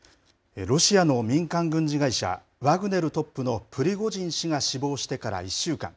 ロシアの民間軍事会社、ワグネルトップのプリゴジン氏が死亡してから１週間。